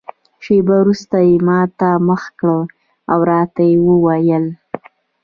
شېبه وروسته یې ما ته مخ کړ او راته ویې ویل.